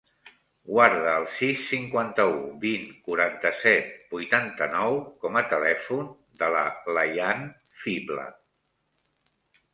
Guarda el sis, cinquanta-u, vint, quaranta-set, vuitanta-nou com a telèfon de la Layan Fibla.